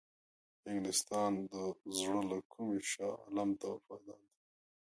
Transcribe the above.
انګلیسیان د زړه له کومي شاه عالم ته وفادار دي.